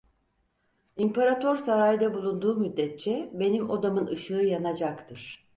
İmparator sarayda bulunduğu müddetçe benim odamın ışığı yanacaktır.